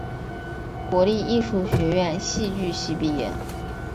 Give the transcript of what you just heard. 国立艺术学院戏剧系毕业。